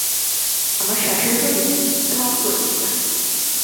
আমার শাশুড়ি বললেন, ঢং করিস না।